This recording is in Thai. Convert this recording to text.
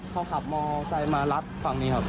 เขาขับมอไซค์มารัดฝั่งนี้ครับ